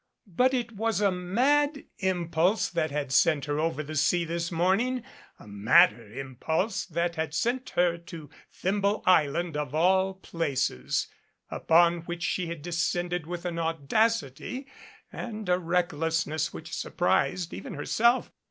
But it was a mad impulse that had sent her over the sea this morning, a madder impulse that had sent her to Thimble Island of all places, upon which she had descended with an audacity and a recklessness which surprised even herself.